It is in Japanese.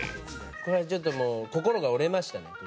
「これはちょっともう心が折れましたね」